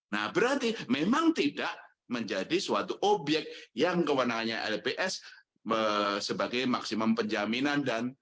nah berarti memang tidak menjadi suatu obyek yang kewenangannya lps sebagai maksimum penjaminan dan